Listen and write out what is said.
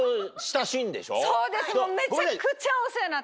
そうです。